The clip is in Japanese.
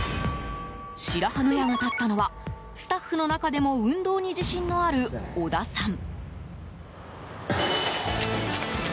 白羽の矢が立ったのはスタッフの中でも運動に自信のある織田さん。